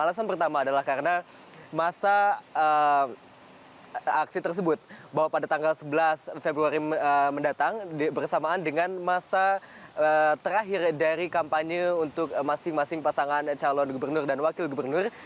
alasan pertama adalah karena masa aksi tersebut bahwa pada tanggal sebelas februari mendatang bersamaan dengan masa terakhir dari kampanye untuk masing masing pasangan calon gubernur dan wakil gubernur